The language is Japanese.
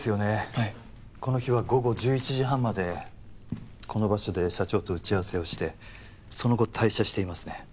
はいこの日は午後１１時半までこの場所で社長と打ち合わせをしてその後退社していますね